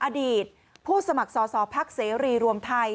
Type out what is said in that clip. อดีตผู้สมัครสอบภาคเศรษฐ์อังกฤษรวมไทย